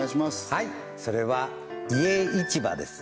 はいそれは家いちばです